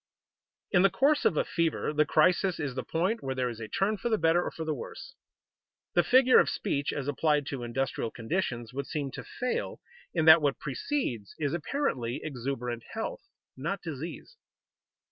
_ In the course of a fever the crisis is the point where there is a turn for the better or for the worse. The figure of speech as applied to industrial conditions would seem to fail, in that what precedes is apparently exuberant health, not disease.